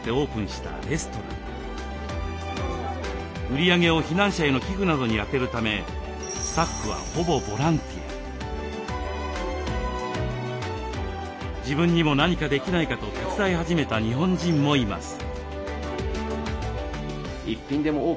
売り上げを避難者への寄付などに充てるため自分にも何かできないかと手伝い始めた日本人もいます。